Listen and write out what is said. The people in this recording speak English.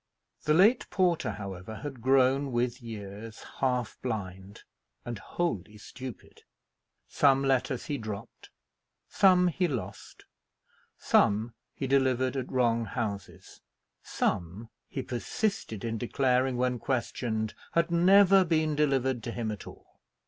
The late porter, however, had grown, with years, half blind and wholly stupid. Some letters he dropped; some he lost; some he delivered at wrong houses; some, he persisted in declaring, when questioned, had never been delivered to him at all.